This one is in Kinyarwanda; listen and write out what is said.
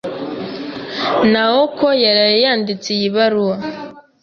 Naoko yaraye yanditse iyi baruwa.